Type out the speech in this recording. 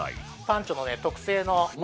パンチョのね特製の。